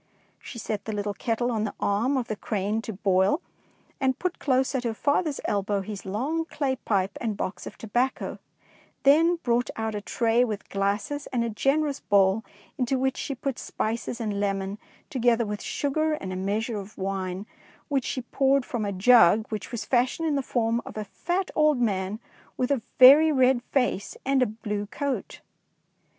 She set the kettle on the arm of the crane to boil, and put close at her father's elbow his long clay pipe and box of tobacco, then brought out a tray with glasses and a generous bowl, into which she put spices and lemon, together with sugar and a meas ure of wine which she poured from a jug which was fashioned in the form of a fat old man with a very red face and a blue coat.